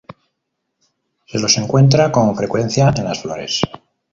Se los encuentra con frecuencia en las flores.